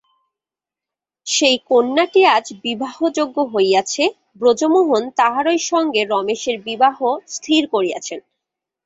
সেই কন্যাটি আজ বিবাহযোগ্যা হইয়াছে, ব্রজমোহন তাহারই সঙ্গে রমেশের বিবাহ স্থির করিয়াছেন।